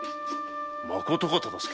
まことか忠相。